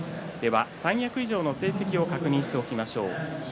三役以上の成績を確認していきましょう。